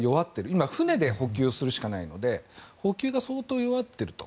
今、船で補給するしかないので補給が相当弱っていると。